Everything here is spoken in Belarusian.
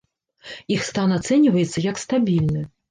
Іх стан ацэньваецца, як стабільны.